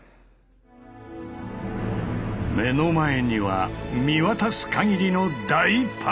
目の前には見渡す限りの大パノラマ！